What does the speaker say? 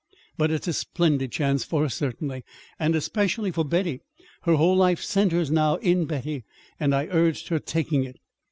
But it is a splendid chance for her, certainly, and especially for Betty her whole life centers now in Betty and I urged her taking it.